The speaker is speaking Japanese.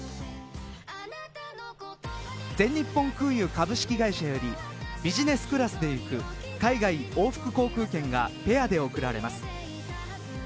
全日本空輸株式会社よりビジネスクラスで行く海外往復航空券がペアで贈られます。